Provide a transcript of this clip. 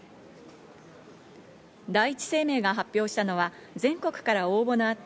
第一生命が発表したのは、全国から応募のあった